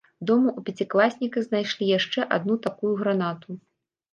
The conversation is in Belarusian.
Дома ў пяцікласніка знайшлі яшчэ адну такую гранату.